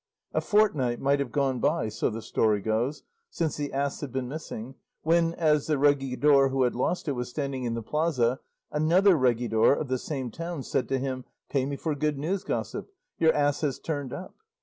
A fortnight might have gone by, so the story goes, since the ass had been missing, when, as the regidor who had lost it was standing in the plaza, another regidor of the same town said to him, 'Pay me for good news, gossip; your ass has turned up.